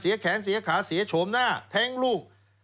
แขนเสียขาเสียโฉมหน้าแท้งลูก